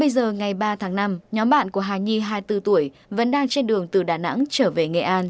hai mươi giờ ngày ba tháng năm nhóm bạn của hà nhi hai mươi bốn tuổi vẫn đang trên đường từ đà nẵng trở về nghệ an